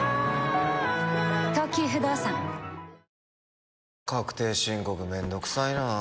おおーーッ確定申告めんどくさいな。